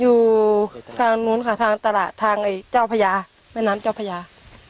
อยู่ทางนู้นค่ะทางตลาดทางเจ้าพญาแม่น้ำเจ้าพญา